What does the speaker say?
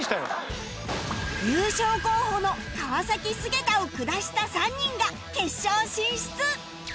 優勝候補の川菅田を下した３人が決勝進出！